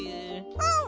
うん！